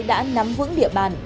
đã nắm vững địa bàn